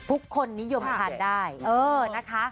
ทุกคนนิยมทานได้เออนะคะ